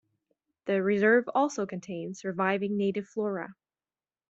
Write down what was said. The reserve also contained surviving native flora.